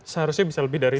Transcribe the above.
seharusnya bisa lebih dari